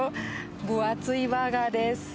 分厚いバーガーです